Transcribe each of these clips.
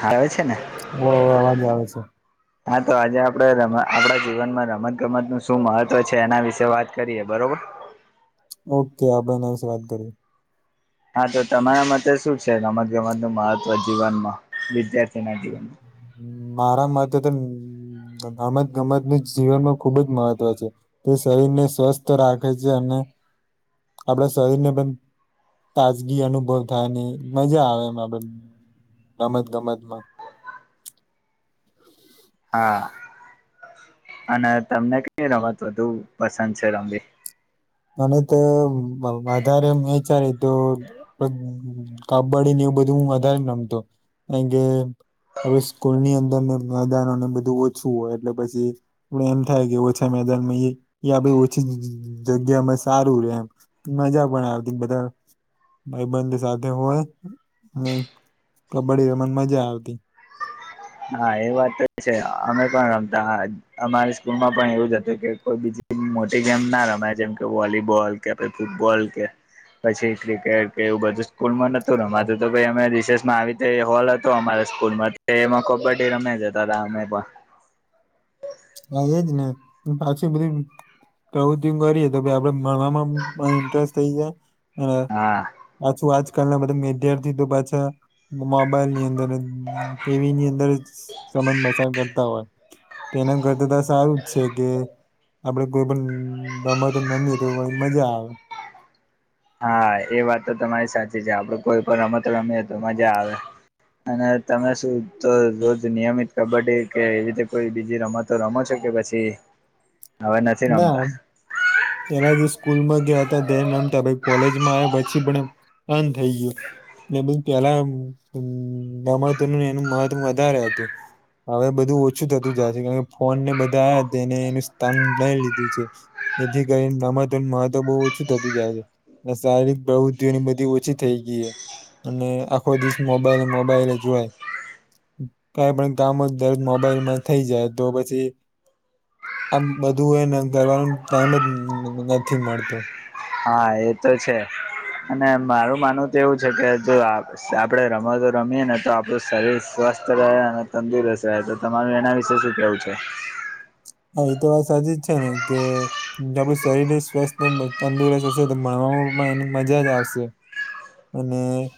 હ આવે છે ને ઓ અવાજ આવે છે હા તો આજે આપડે ર આપણા જીવનમાં રમત ગમત નું શું મહત્વ છે એના વિશે વાત કરીએ બરોબર ઓકે આપણે એના વિશે વાત કરીએ હા તો તમારા માટેતે શું છે રમત ગમત નું મહત્વ જીવનમાં વિદ્યાર્થી મારા માટેતે તો ગમત ગમતને જીવનમાં ખુબ જ મહત્વ છે તે શરીરને સ્વસ્થ રાખે છે અને આપણા શરીરને પણ તાજગી અનુભવ થાય ને મજા આવે એમ આપડે ગમત ગમતમાં [unintelligible] હા અને તમને કઈ રમત વધુ પસંદ છે રમવી મને તો વધારે વિચારી તો કબડડી ને એવું બધું હું વધારેને રમતો કાર કે હવે સ્કૂલ ની અંદર ને મેદાનને બધું ઓછું હોય એટલે પછી એમ થાય કે ઓછા મેદાન માં [unintelligible] ઓછી જગ્યામાં સારું રે એમ મજા પણ આવતી બધા ભાઈબંધ સાથે હોય કબડ્ડી રમને મજા આવતી હા એ વાત તો છે અમે પણ રમતા અમારી સ્કૂલ માં પણ એવું જ હતું કે કોઈ બીજું મોટી ગેમ ના રમા જેમ કે વોલીબોલ કે પાઈ ફૂટબોલ કે પછી એટલે કે કે એવું બધું સ્કૂલમાં નત અમાર તોાઈ અમે રશેષમાં આવી રીતે હોલ હતો અમારા સ્કૂલમાં તો એમાં કબડ્ડી રમે જતા હતા અમે પણ હ એજ ને પાછી બધી પ્રવૃત્તિ કરીએ તો આપડે મળવામાં ઇન્ટરેસ્ટ થઇ જાય અને હા પાછું આજકાલ બધા વિદ્યાર્થી તો પાછા મોબાઈલ ની અંદર જ ટીવીની અંદર જ સમય પસાર કરતા હોય તો એના કરતા તો સારું જ છે કે આપડે કોઈ પણ રમ તો નમીએ તો મજા આવે હા એ વાત તો તમારી સાચી છે આપડ કોઈ પણ રમત રમે તો મજા આવે અને તમે શું તો રોજ નિયમિત કબડ્ડી કે એ રીતે કોઈ બીજી રમત તો રમ શો કે પછી. હવે નથી ના રમતા પના જે સ્કૂલમાં ગયા હતા ધ્યાન રમતા કોલેજમાં આવ્યા પછી પણ બધ થઇ ગયું એ પેલા રમત ન એનું મહત્વ વધારે હતું હવે બધું ઓછું થતું જાય છે કારણ કે ફોન ને બધા આ હતા એને એનું સ્થાન લઈ લીધું છે. એથી કરી નામાતરણ મહત્વ બહુ ઓછું થતું જાય છે શારીરિક પ્રવૃતિઓની બધી ઓછી થઈ ગઈ અને આખો દિવસ મોબાઈલ મોબાઈલે જોય- કઈ પણ કામો દરેક મોબાઈલમાં થઈ જાય તો પછી આમ બધું એ કરવાનું ટાઈમ જ નથી મળતો હા એ તો છે અને મારું માનવું તો એવું છે કે જો આપડણે રમતો રમીએ ને તો આપણું શરીર સ્વસ્થ રહે અને તંદુરસ્ત રહેતુ. તમારું એના વિશે શું કેવું છે. હા એ તો વાત સાચી જ છે ને કે આપડું શરીર સ્વસ્થ તંદુરસ્ત હશે તો ભણવામાં પણ એની મજા જ આવશે અને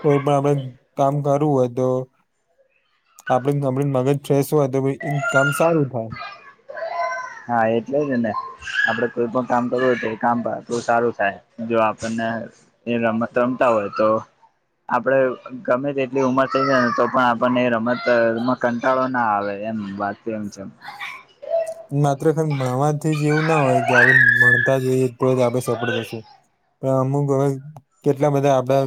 કોઈ પણ આપડણે કામ કરવું હોય તો આપડ આપ મગજ ફ્રેશ હોય તો એ કામ સારું થાય હા એટલે જ ને આપડે કોઈ પણ કામ કરવુંય તો એ કામ તો સારું થાય જો આપણને એ રમત રમતા હોય તો આપડે ગમે તેટલી ઉમર થઈ જાય ને તો પણ આપણને રમત કંટાળો ના આવે એમ વાત એમ છેમ માત્ર ખલી મળણવાથી જ એવું ના હોય કે આપડ ભણતા જ હોઈએ તો જ આપડે સફળ થશું પણ અમુક હવે કેટલા બધા આપડા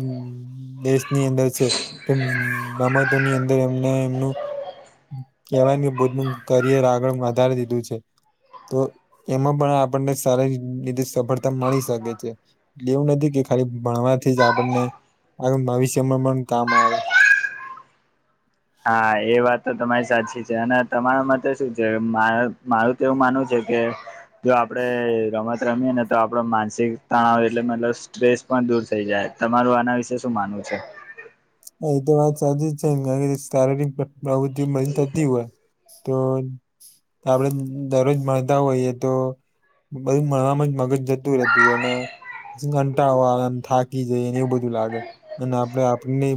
દેશની અંદર છે કે રમતોની અંદર એમને એમનું કહેવાયનું કે બુદ્ધ નું કરિયર આગળ આધારે દીધું છે. તો એમાં પણ આપણને સારી રીતે સફળતા મળી શકે છે. એવું નથી કે ખાલી ભણવાથી જ આપણને આગળ ભવિષ્યમાં પણ કામ આવે. હા એ વાત તો તમારી સાચી છે અને તમારા માટે શું છે મા મારું એવું માનુંવ છે કે જો આપડે રમત રમીએ ને તો આપડો માનસિક તણાવ એટલે મતલબ સ્ટ્રેસ પણ દૂર થઈ જાય તમારું આના વિશે શું માનવું છે. હ એ તો વાત સાચી જ છે શારીરિક પ્રવૃત્તિ બ થતી હોય તો આપડે દરરોજ મળણતા હોઈયએ તો બધ મણમાં જ મગજ જતું રહેતું એને ઘંટા વાળ થાકી જઈને એવું બધું લાગે અને આપડે આપને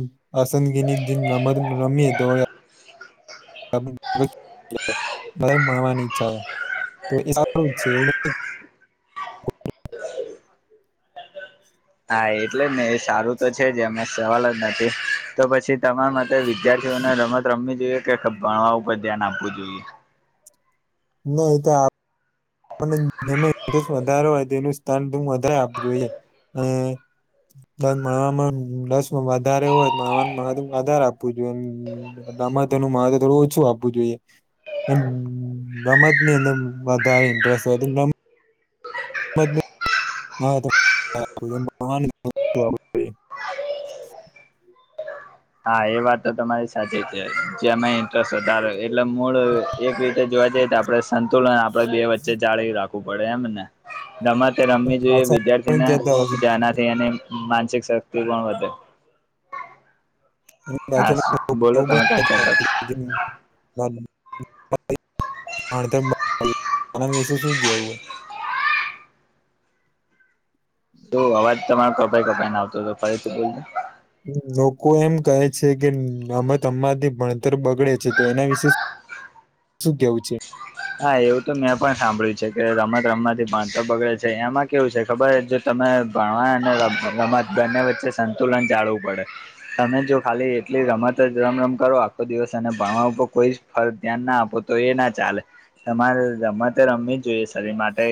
અસંદગીની જે રમત રમીએ તોએ [inaudible] [unintelligible] હા એટલે જ ને એ સારું તો છે જે અમે સવાલ જ નથી. તો પછી તમારા માટેતે વિદ્યાર્થીઓને રમત રમવી જોઈએ કે ભણવા ઉપર ધ્યાન આપવું જોઈએ? નઈ એતો જેમાં ઇન્ટ્રેસ્ટ વધારે હોય તેનું સ્થાન વધારે આપવું જોઈએ. [inaudible] સ માણવામાં રસ વધારે હોય માણવાનું મહત્વ વધારે આપું જોઈએમ. દામાં તેનું મારે થોડું ઓછું આપવું જોઈએ. ગમત ની અંદર વધારે ઇન્ટરેસ્ટ [unintelligible] [unintelligible] હા એ વાત તો તમારી સાચી છે. જેમાં ઇન્ટરેસ્ટ વધારે એટલે મૂળ એક રીતે જોવા જઈએ તો આપણે સંતુલન આપડે બે વચ્ચે જાળવી રાખવું પડે એમ ને. રમતે રમવી જોઈએ પણ વિદ્યાર્થીને કેતા હોય છે ધ્યાનાથી અને માનસિક શક્તિ પણ વધે. [unintelligible] હા બોલો તમે [unintelligible] વિશે શું કેવું હો? [inaudible] તો અવાજ તમારો કપાઈ કપાઈ ને આવતો હતો ફરીથી બોલ. લોકો એમ કહે છે કે રમવાથી અમાથી ભણતર બગડે છે તો એના વિશે શું કેવું છે? હા એવું તો મેં પણ સાંભળ્યું છે કે રમત રમતથી ભણતર બગડે છે. એમાં કેવું છે ખબર તમે ભણવા અને રમત બંને વચ્ચે સંતુલન ચાલવું પડે. તમે જો ખાલી એટલી રમત જ રમ રમ કરો આખો દિવસ અને ભણવા ઉપર કોઈ ફરત ધ્યાન ના આપો, તો એ ના ચાલે. તમારે રમતે રમવી જ જોઈએ શરીર માટે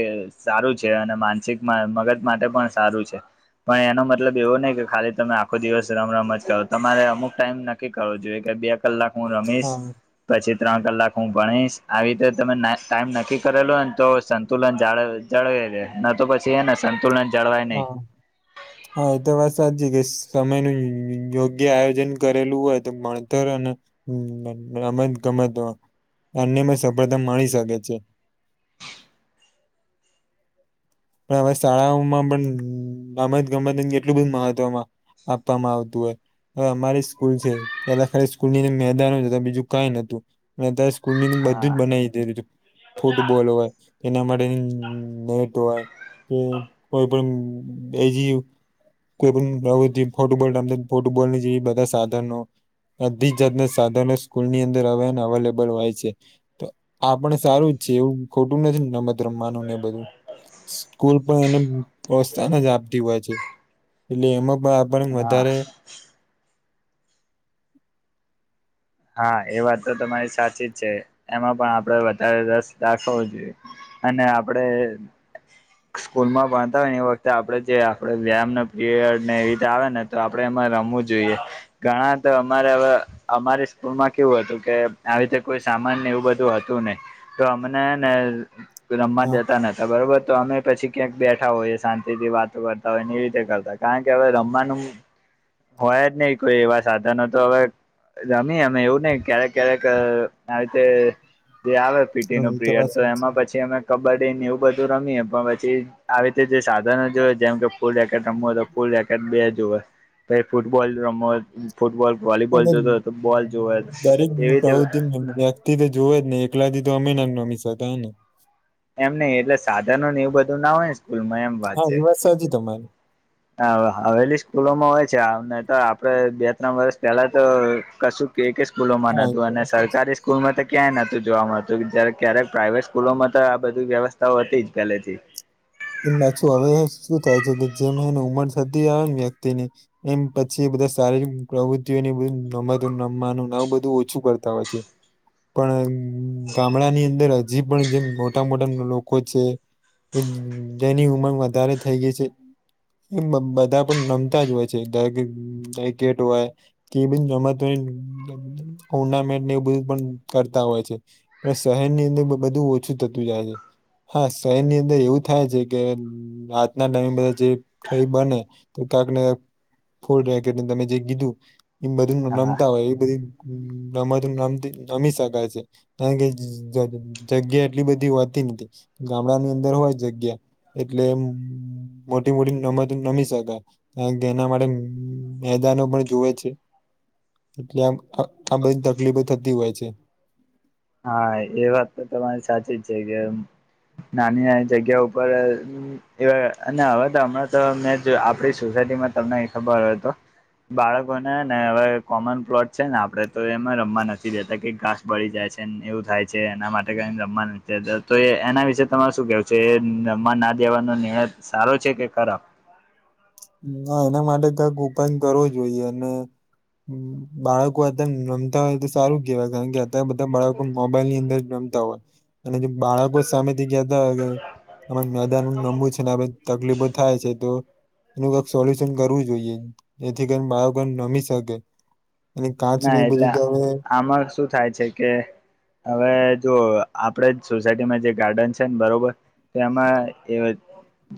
સારું છે અને માનસિક મગજ માટે પણ સારું છે. પણ એનો મતલબ એવો નહ કે ખાલી તમે આખો દિવસ રમ રમ જ કરો. તમારે અમુક ટાઈમ કી કરવો જોઈએ કે બે કલાક હું રમીશ હા પછી ત્રણ કલાક હું ભણીશ આવી તમે ટાઈમ નક્કી કરેલો હો ને તો સંતુલન જાળ જાળવે રહે ન તો પછી છે અને સંતુલન જળવાય નહીં. હા હા એ તો વાત સાચી કે સમય ન યોગ્ય આયોજન કરેલું હોય તો ભણતર અને હમ અમે જ ગમેત અનમાં સફળતા માણી શકે છે. પણ હવે શાળાઓમાં પણ રમત-ગમત કેટલું બધું મહત્વમાં આપવામાં આવતું હોય. હ અમારી સ્કૂલ છે, પેલા ખાલી સ્કૂલ ની મેદાન જ બીજું કઈ નતું ને અત્યારે સ્કૂલ ની અંદર બધું જ હા બનાવી દીધું હતું. ફૂટબોલ હોય તેના માટે નેટ હોય કે કોઈ પણ [unintelligible] કોઈ પણ પ્રવૃતિ ફોટબોલમ ફોટબોલની જે બધા સાધનો બધી જાતના સાધનો સ્કૂલ ની અંદરવે અવેલેબલ હોય છે. તો આ પણ સારું જ છે એવું ખોટું નથી ને રમત રમવાનું ને એ બધું. સ્કૂલ પણ એને પ્રોસ્સાહન જ આપતી હોય છે. એટલે એમાં પણ આપણ હા વધારે હા એ વાત તો તમારી સાચી જ છે એમાં પણ આપડ વધારે રસ દાખવો જોઈએ. અને આપડે સ્કૂલ માં ભણતા હોય ને એ વખતે આપડે જે આપણે વ્યામ પીરિયડને એવી રીતે આવે ને તો આપણે એમાં રમવું જોઈએ, ઘણા તો અમારે હવે અમારે સ્કૂલમાં કેવું હતું કે આવી રીતે કોઈ સામાન ને એવું બધું હતું નઈ. તો અમને ને રમવા હા દેતા નથી બરોબર તો અમે પછી ક્યાંક બેઠા હોઈએ શાંતિથી વાતો કરતા હોય એવી રીતે કરતા. કારણ કે હવે રમવાનું હોય જ નહી કોઈ એવા સાધનો તો હવે રમી એમ એવું નહી ક્યારેક ક્યારેક આ રીતે જે આવે પીટી હા નું એ વાત પીરયડ તો સાચી એમાં પછી અમે કબડ્ડી ને એવું બધું રમીએ પણ પછી આવી રીતે જે સાધનો જોય જેમ કે ફૂલ રેકેટ રમ હોય તો ફૂલ રેકેટ બે જુ હોય પ ફૂટબોલ રમ ફૂટબોલ વોલીબોલ પણ જોતો હતો તો બોલ જોવે દરેક હું એવી રીતે કહ છ એમ વ્યક્તિ થી તો જોવ જ ને એકલા થી તો અમે ના ન મીસા હતા ને એમ નહિ એટલે સાધનો ને એવું બધું ના હોય ને સ્કૂલમાં એમ હા એ વાત સાજી તમારી હા હવેલી સ્કૂલોમાં હોય છે તો આપડે બે ત્રણ વર્ષ પહેલા તો કશું એક જ સ્કૂલોમાં હા એ નતું તો અને વાત સાચી. સરકારી સ્કૂલમાં તો ક્યાંય નહત જોવા મળતું જ ક્યારેક પ્રાાઈવેટ સ્કૂલોમાં તો આ બધી વ્યવસ્થાઓ હતી જ પહેલેથી એ પાછું હવે શું થાય છે કે જેમ એને ઉંમર થતી આવે ને વ્યક્તિની એમ પછી બધા શારીરિક પ્રવૃત્તિઓને બધું રમતો રમવાનું બધું ઓછું કરતા હોય છે પણ ગામડા ની અંદર હજી પણ જેમ મોટા મોટા લોકો છે કે જેની ઉમર વધારે થઈ ગઈ છે એ બધા પણ રમતા જ હોય [unintelligible] કે બધી રમતોની ટુર્નામેન્ટ એ બધું પણ કરતા હોય છે પણ શહેરની અંદર બધું ઓછું થતું જાય છે હા શહેરની અંદર એવું થાય છે કે આજના ટાઈમ બધા જે કઈ બને તો કંક ને ફોડેકેટને તમે જે કીધું એ બધું હા રમતા હોય એ બધું રમતમ રમી શકાય છે કારણ કે જગ્યા એટલી બધી હોતી નથી ગામડાની અંદર હોય જગ્યા એટલે મોટી મોટી રમતો રમી શકય કારણ કે એના માટે મેદાનો પણ જુ વે છે એટલે આમ આ બધી તકલીફો થતી હોય છે હા એ વાત તો તમારી સાચી જ છે કે નાની નાની જગ્યા ઉપર એ અને હવે તો હમણાં તો મેં આપડી સોસાયટીમાં તમને ખબર હોય તો બાળકોને ને હવે કોમન પ્લોટ છે ને આપડે તો એમાં રમવા નથી દેતા કે ઘાસ બળી જાય છે એવું થાય છે એના માટે રમ તો એના વિશે તમારે શું કેવું છે એ રમવા ણા દેવાનો નિર્ણય સારો છે કે ખરાબ ણા એના માટે કઈક ઉપાય કરવો જોઈએ અને બાળકો અતને રમતા હોય તો સારું કેવાય કારણ કે બ બધા બાળકો મોબાઈલ ની અંદર રમતા હોય અને જે બાળકો સામેથી કહેતા હોય કે [unintelligible] નમવું છે ને તકલીફો થાય છે તો એનું કઈક સોલ્યુશન કરવું જોઈએ જેથી કરી બાળકોણ રમી શકે અને કાચ ના નહી એટલે બધું તો હવે આમાં શું થાય છે કે હવે જો આપડે સોસાયટીમાં જે ગાર્ડન છે ને બરોબર તો માં એ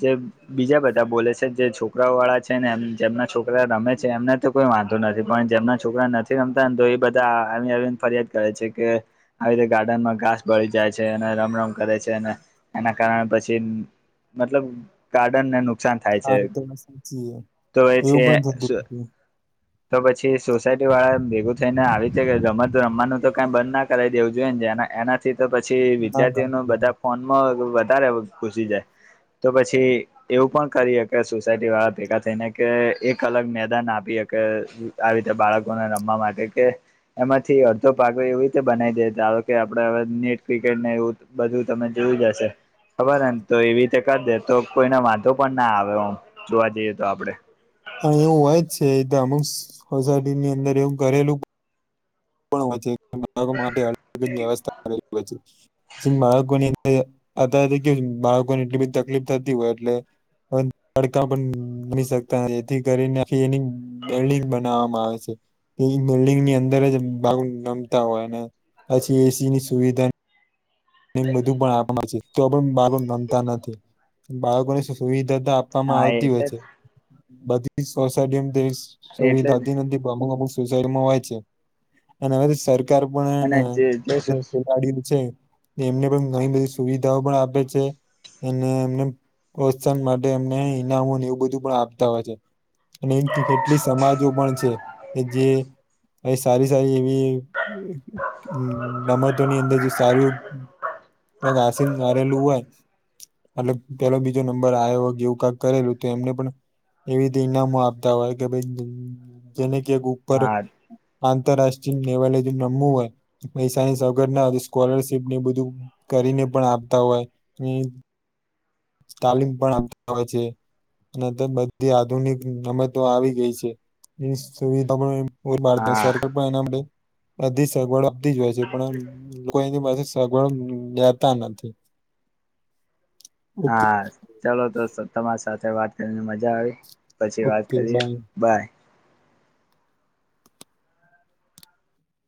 જે બીજા બધા બોલે છે જે છોકરાઓ વાળા છે ને એમ જેમના છોકરા રમે છે એમને તો કોઈ વાંધો નથી પણ જેમના છોકરા નથી રમતા ને તો એ બધા આવીને ફરિયાદ કરે છે કે આવી રીતે ગાર્ડનમાં ઘાસ ભળી જાય છે અને રમ રમ કરે છે અને એના કારણે પછી મતલબ ગાર્ડન ને એનું નુકસાન થાય છે આ રીતે સાચીએ તો એ એવું છે પણ થતું હતું તો પછી સોસાયટી વાળા ભેગું થઈને આવી છે કે રમત તો રમવાનું તો કઈ બંધ ના કરાય દેવું જોઈને એના તો પછી ના વિદ્યાર્થી ના. ન બધા ફોનમાં વધારે ગુસી જાય તો પછી એવું પણ કરી હકે સોસાયટી વાળા ભેગા થઈને કે એક અલગ મેદાન આપી કે આવી રીતે બાળકોને રમવા માટે કે એમાંથી અડધો પાગો એવી રીતે બનાવી દેતા કે આપડે હવે નેટ ક્રિકેટને એવું બધું તમે જેવું જશે. ખબર એમ તો એવી રીતે કરી દે તો કોઈને વાંધો પણ ના આવે આમ જોવા જઈએ તો આપડે. હ એવું હોય જ છે એ અમુક સોસાયટીની અંદર એવું ઘરેલું માટે અ વ્યવસ્થાલી હો બાળકોની [unintelligible] અત કે બાળકોને એટલી બધી તકલીફ થતી હોય એટલે તડકા પણ ન શકતા જેથી કરીને એની બિલ્ડિંગ બનાવવામાં આવે છે, એ બિલ્ડિંગ ની અંદર જ ભાગ નમતા હોય ને, પછી એ સી ની સુવિધા બધું પણ આપણ છે. તો પણ બાળ રમતા નથી, બાળકોને સુવિધા તો આપવામાં હા આવતી હોય એટલે છે. બધી સોસાયટી જ સુ એટલે જ દાદી ની અમુક અમુક [unintelligible] સુડમાં હોય છે, અને હવે તો સરકાર પણ અને જે જે ખેલાડીઓ છે. એમને પણ ઘણી બધી સુવિધાઓ પણ આપે છે. એને એમને પ્રોત્સાહન માટે એમને ઈનામોને એવું બધું પણ આપતા હોય છે. અને કેટલી સમાજો પણ છે, કે જે એ સારી સારી એવી, રમતોની અંદર સાર ત ઘાસને ભરેલું હોય. એટલે પેલો બીજો નંબર આવ એવું કક કરેલું તો એમને પણ એવી ઈનામો આપતા હોય કે ભાઈ જેને કક ઉપર. હા આંતરરાષ્ટ્રીય લેવલે રમવું હોય, પૈસાની સગર ના સ્કોલરશીપ ને બધ બધું કરીને પણ આપતા હોય. સ્ટાલિંગ પણ આવતા હોય છે. અને તે બધી આધુનિક રમતો આવી ગઈ છે, એ સુવિધા ભારત હા સરકાર પણ એના માટે અધી સગવડ આપતી જ હોય છે, પણ લોકો એની પાસે સગવડ લેતા નથી. ઓકે હા ચાલો તો તમારી સાથે વાત કરીને મજા આવી, પછી વાત ઓકે કરીએ. Bye by.